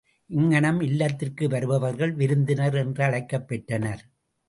இங்ஙனம் இல்லத்திற்கு வருபவர்கள் விருந்தினர் என்றழைக்கப் பெற்றனர்.